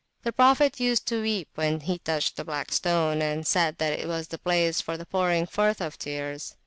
The Prophet used to weep when he touched the Black Stone, and said that it was the place for the pouring forth of tears.